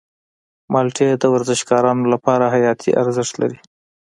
مالټې د ورزشکارانو لپاره حیاتي ارزښت لري.